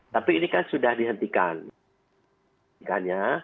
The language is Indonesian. tapi ini kan sudah dihentikannya